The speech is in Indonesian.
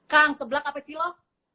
kang seblak apa cilo